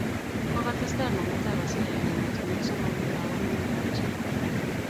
Kokotestai namet ab asoya eng' emetanwek somok nguno ako ngemei kapchii